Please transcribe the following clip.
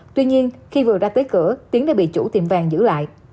tuy nhiên khi vừa ra tới cửa tiến đã bị chủ tiệm vàng giữ lại